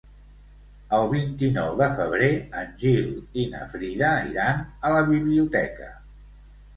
El vint-i-nou de febrer en Gil i na Frida iran a la biblioteca.